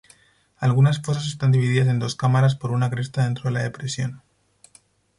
Algunas fosas están divididas en dos cámaras por una cresta dentro de la depresión.